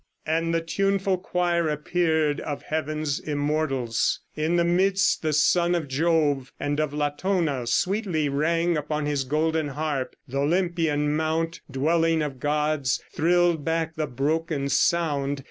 "And the tuneful choir appear'd Of heaven's immortals; in the midst, the son Of Jove and of Latona sweetly rang Upon his golden harp; th' Olympian mount, Dwelling of gods, thrill'd back the broken sound.